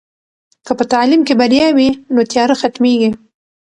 که په تعلیم کې بریا وي، نو تیاره ختمېږي.